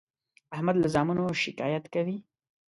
احمد له زامنو شکایت کوي.